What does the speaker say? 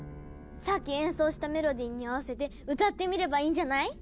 さっき演奏したメロディーに合わせて歌ってみればいいんじゃない？